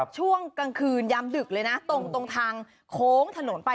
ช่วงกลางคืนยามดึกเลยนะตรงทางโค้งถนนไป